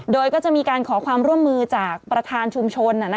โดยก็จะมีการขอความร่วมมือจากประธานชุมชน